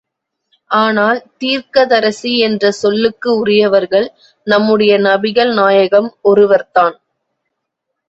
ஆனால் தீர்க்கதரிசி என்ற சொல்லுக்கு உரியவர்கள் நம்முடைய நபிகள் நாயகம் ஒருவர்தான்.